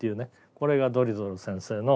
これがドリトル先生のえ